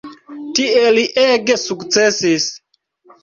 Tie li ege sukcesis.